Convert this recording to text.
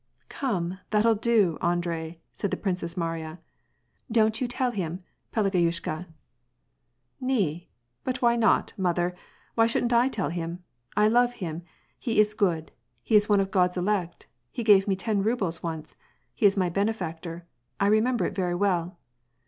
"Come, that'll do, Andrei," said the Princess Mariya. "Don't you tell him, Pelageyushka !"" Ni ! but why not, mother, why shouldn't I tell him ? I • love him. He is good ; he is one of the God's elect, he gave me ten rubles once — he is my benefactor — I remember it very well.